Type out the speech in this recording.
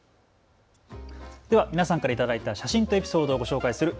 では皆さんから頂いた写真とエピソードを紹介する＃